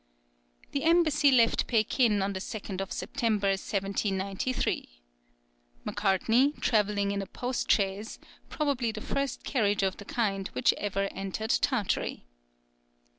The embassy left Pekin on the 2nd of September, 1793, Macartney, travelling in a post chaise, probably the first carriage of the kind which ever entered Tartary.